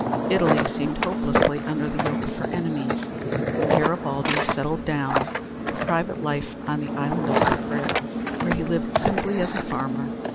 Italy seemed hopelessly under the yoke of her enemies, and Garibaldi settled down to private life on the Island of Caprera, where he lived simply as a farmer.